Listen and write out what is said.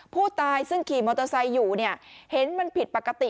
ผู้ตายซึ่งขี่มอเตอร์ไซค์อยู่เนี่ยเห็นมันผิดปกติ